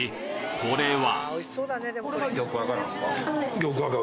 これは？